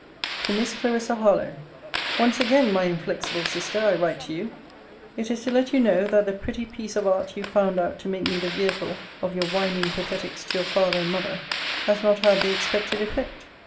TO MISS CLARISSA HARLOWE Once again, my inflexible Sister, I write to you. It is to let you know, that the pretty piece of art you found out to make me the vehicle of your whining pathetics to your father and mother, has not had the expected effect.